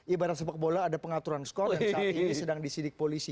ibarat sepak bola ada pengaturan skor yang saat ini sedang disidik polisi